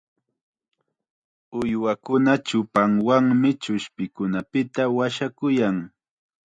Uywakuna chupanwanmi chuspikunapita washakuyan.